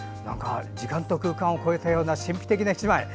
時間と空間を超えたような神秘的な１枚。